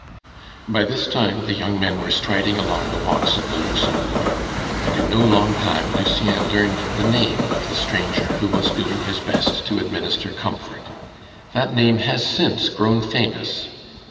By this time the young men were striding along the walks of the Luxembourg, and in no long time Lucien learned the name of the stranger who was doing his best to administer comfort. That name has since grown famous.